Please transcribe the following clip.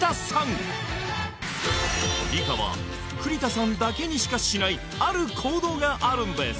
リカは栗田さんだけにしかしないある行動があるんです